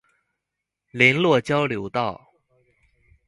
麟洛交流道